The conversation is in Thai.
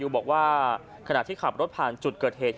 บอกว่าขณะที่ขับรถผ่านจุดเกิดเหตุ